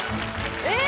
えっ！？